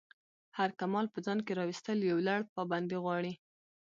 هر کمال په ځان کی راویستل یو لَړ پابندی غواړی.